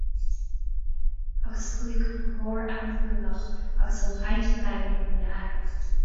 Agus chuaigh an glór anbhuaineach agus an chaint daingean ina aigne.